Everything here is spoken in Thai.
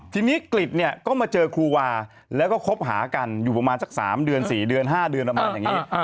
ทีนี้กริจเนี่ยก็มาเจอครูวาแล้วก็คบหากันอยู่ประมาณสัก๓เดือน๔เดือน๕เดือนประมาณอย่างนี้